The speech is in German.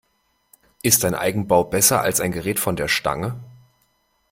Ist ein Eigenbau besser als ein Gerät von der Stange?